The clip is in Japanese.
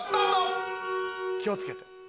気を付けて。